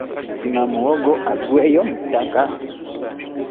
Sima muwogo aggweyo mu ttaka.